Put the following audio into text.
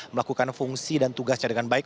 melakukan fungsi dan tugas jadikan baik